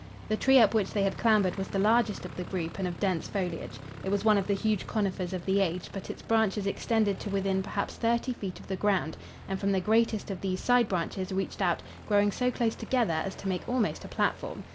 The tree up which they had clambered was the largest of the group and of dense foliage. It was one of the huge conifers of the age, but its branches extended to within perhaps thirty feet of the ground, and from the greatest of these side branches reached out, growing so close together as to make almost a platform.